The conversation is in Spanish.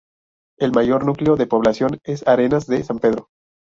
El mayor núcleo de población es Arenas de San Pedro.